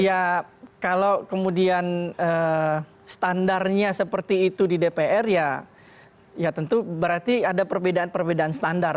ya kalau kemudian standarnya seperti itu di dpr ya ya tentu berarti ada perbedaan perbedaan standar